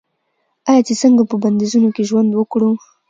آیا چې څنګه په بندیزونو کې ژوند وکړو؟